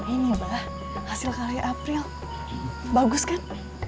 ini mbah hasil karya april bagus kan